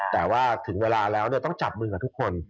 แต่ว่าถึงเวลาแล้วต้องจับมือกับทุกคน